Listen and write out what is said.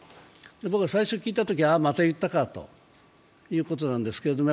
僕は最初聞いたとき、ああ、また言ったかということなんですけれども、